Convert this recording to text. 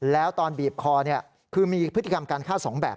แล้วตอนบีบคอคือมีพฤติกรรมการฆ่าสองแบบ